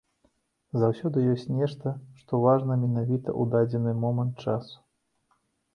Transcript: Заўсёды ёсць нешта, што важна менавіта ў дадзены момант часу.